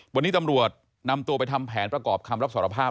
วันนี้ตำรวจนำตัวไปทำแผนประกอบคำรับสารภาพ